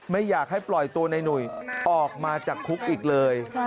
ไม่อยากให้ปล่อยตัวในหนุ่ยออกมาจากคุกอีกเลย